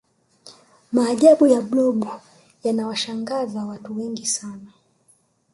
maajabu ya blob yanawashangaza watu wengi sana